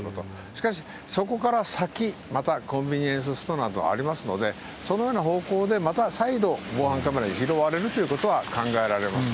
しかし、そこから先、またコンビニエンスストアなどありますので、そのような方向で、また再度、防犯カメラに拾われるということは考えられます。